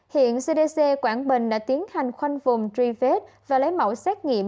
hiện cdc quảng bình đã tiến hành khoanh vùng truy vết và lấy mẫu xét nghiệm